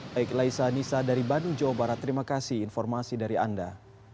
baik laisa nisa dari bandung jawa barat terima kasih informasi dari anda